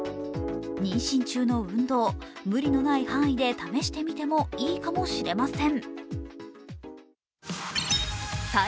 妊娠中の運動、無理のない範囲で試してみてもいいかもしれません。